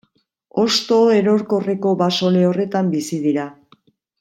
Hosto erorkorreko baso lehorretan bizi dira.